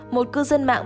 một cư dân mạng